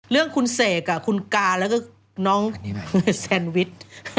เรื่องคุณเสกคุณกาแล้วก็น้องแซนวิช